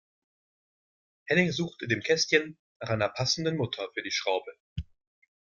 Henning sucht in dem Kästchen nach einer passenden Mutter für die Schraube.